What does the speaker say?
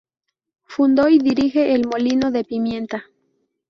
Fundó y dirige "El molino de pimienta".